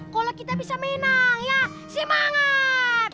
kalau kita bisa menang ya semangat